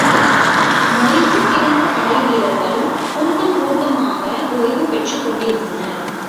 மொய்த்துக் கிடந்த படை வீரர்கள், கூட்டங் கூட்டமாக ஒய்வுபெற்றுக் கொண்டிருந்தனர்.